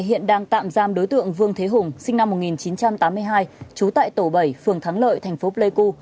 hiện đang tạm giam đối tượng vương thế hùng sinh năm một nghìn chín trăm tám mươi hai trú tại tổ bảy phường thắng lợi thành phố pleiku